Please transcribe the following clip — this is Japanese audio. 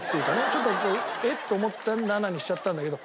ちょっと「えっ」と思って７にしちゃったんだけど。